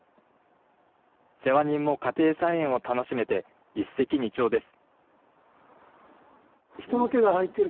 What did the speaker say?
世話人も家庭菜園を楽しめて一石二鳥です。